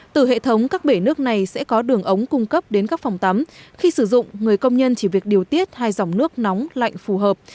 từ hệ thống các bể nước này sẽ có đường ống cung cấp đến các phòng tắm khi sử dụng người công nhân chỉ việc điều tiết hai dòng nước nóng lạnh phù hợp